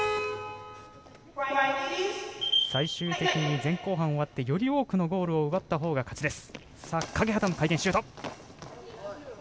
最終的に前後半終わってより多くのゴールを奪ったほうが勝ちです。